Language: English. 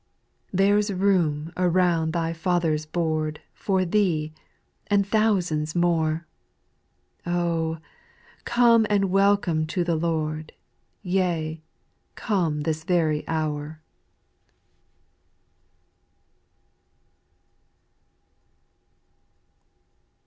6. There 's room around thy Father's board For thee and thousands more ; Oh I come and welcome to the Lord, Yea, come this very hour.